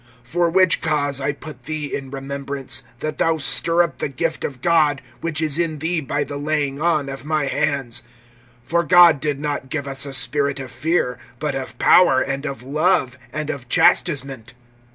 (6)For which cause I put thee in remembrance, that thou stir up the gift of God, which is in thee by the laying on of my hands. (7)For God did not give us a spirit of fear; but of power, and of love, and of chastisement.